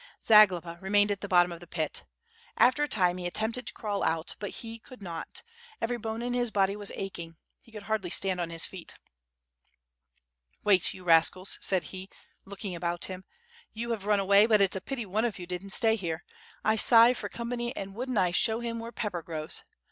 Zagloba remained at the bottom of the pit. After a time he attempted to crawl out, but he could not; every bone in his body was aching, he could hardly stand on his feet. "Wait you rascals," said he, looking about him. "You have run away, but it's a pity one of you didn't stay here. I sigh for company and wouldn't I show him where pepper grows.